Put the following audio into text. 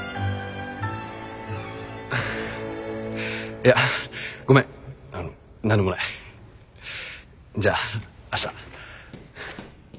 いやごめん何でもない。じゃあ明日。